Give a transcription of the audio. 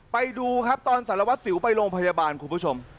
ไปดูครับตอนสารวัสสิวไปโรงพยาบาลคุณผู้ชม